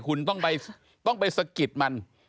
คุณต้องไปสะกิดมัน